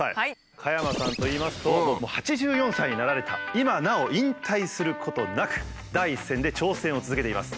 加山さんといいますと８４歳になられた今なお引退することなく第一線で挑戦を続けています。